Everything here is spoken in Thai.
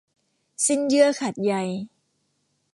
สิ้นเยื่อขาดใย